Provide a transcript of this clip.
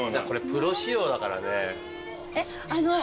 プロ仕様だからね。